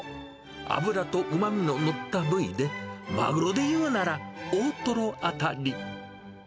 脂とうまみの乗った部位で、マグロでいうなら大トロ辺り。